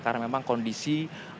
karena memang kondisi pecahan